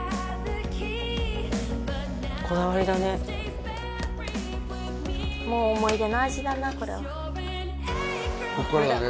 こだわりだねもう思い出の味だなこれはこっからだね